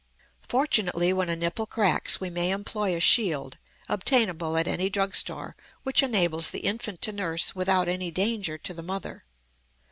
Fortunately when a nipple cracks we may employ a shield, obtainable at any drug store, which enables the infant to nurse without any danger to the mother.